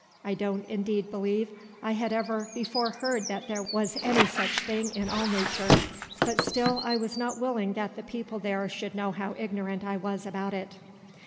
I don't indeed believe I had ever before heard that there was any such thing in all nature; but still I was not willing that the people there should know how ignorant I was about it.